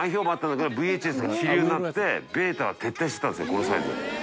このサイズ。